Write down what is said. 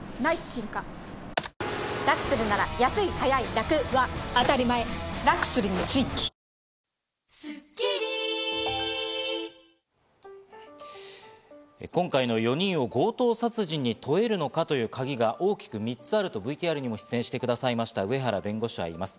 送還された４人の上に危険な組織がある場合、今回の４人を強盗殺人に問えるのかというカギが大きく３つあると、ＶＴＲにも出演してくださいました上原弁護士は言います。